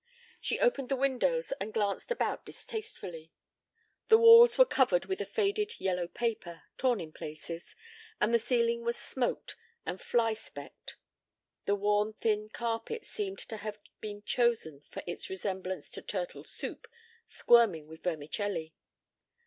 She opened the windows and glanced about distastefully. The walls were covered with a faded yellow paper, torn in places, and the ceiling was smoked and fly specked. The worn thin carpet seemed to have been chosen for its resemblance to turtle soup squirming with vermicelli.